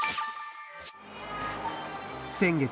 先月。